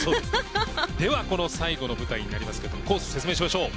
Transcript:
では最後の舞台になりますけどコース、説明しましょう。